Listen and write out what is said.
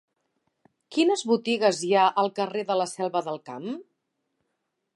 Quines botigues hi ha al carrer de la Selva del Camp?